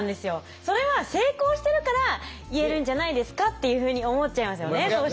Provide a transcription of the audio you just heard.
それは成功してるから言えるんじゃないですかっていうふうに思っちゃいますよねどうしても。